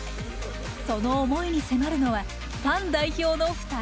その思いに迫るのはファン代表の２人。